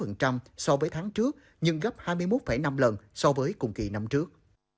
giảm bốn so với tháng trước nhưng gấp hai mươi một năm lần so với cùng kỳ năm trước